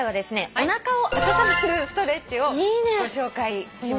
おなかを温めるストレッチをご紹介します。